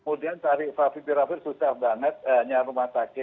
kemudian cari vavir viravir susah banget hanya rumah sakit